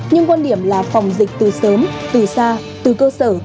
nhưng quan điểm là phòng dịch từ sớm từ xa từ cơ sở